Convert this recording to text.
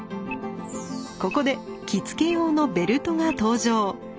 ここで着付け用のベルトが登場。